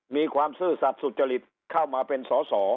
มีความซื่อสัตว์สุจริตเข้ามาเป็นสอ